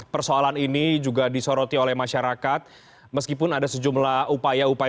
persoalan ini juga disoroti oleh masyarakat meskipun ada sejumlah upaya upaya